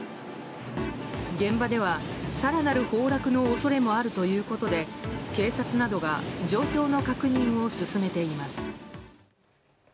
現場では、更なる崩落の恐れもあるということで警察などが状況の確認を進めています。